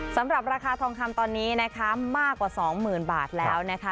สำหรับราคาทองคำตอนนี้นะคะมากกว่า๒๐๐๐บาทแล้วนะคะ